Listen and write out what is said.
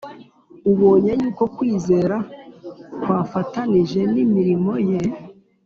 ubonye yuko kwizera kwafatanije n’imirimo ye,